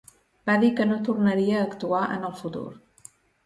Va dir que no tornaria a actuar en el futur.